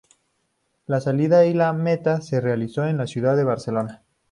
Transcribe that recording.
La salida y la meta se realizó en la ciudad de Barcelona.